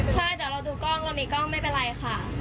ใช่เดี๋ยวเราดูกล้องเรามีกล้องไม่เป็นไรค่ะ